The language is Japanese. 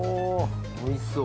おいしそう。